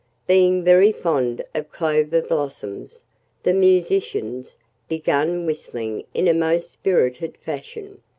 Being very fond of clover blossoms, the musicians began whistling in a most spirited fashion.